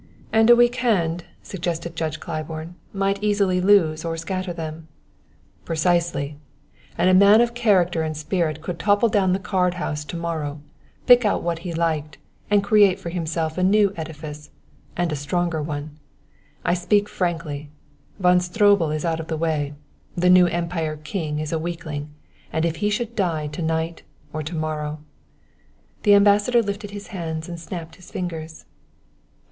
"And a weak hand," suggested Judge Claiborne, "might easily lose or scatter them." "Precisely. And a man of character and spirit could topple down the card house to morrow, pick out what he liked, and create for himself a new edifice and a stronger one. I speak frankly. Von Stroebel is out of the way; the new Emperor king is a weakling, and if he should die to night or to morrow " The Ambassador lifted his hands and snapped his fingers.